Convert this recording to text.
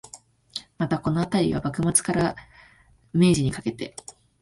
また、このあたりは、幕末から明治にかけて